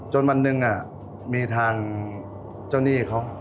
วันหนึ่งมีทางเจ้าหนี้เขา